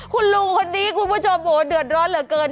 คุณลุงคนนี้คุณผู้ชมโหเดือดร้อนเหลือเกิน